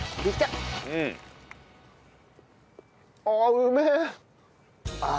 あっうめえ！